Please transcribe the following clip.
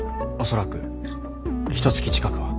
恐らくひとつき近くは。